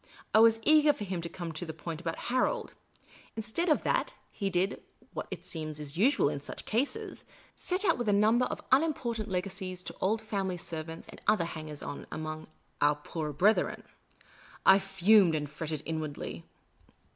I was eager for him to come to the point about Harold. In stead of that, he did what it seems is usual in such cases — set out with a number of unimportant legacies to old family servants and other hangers on among " our poorer brethren." I fumed and fretted inwardly.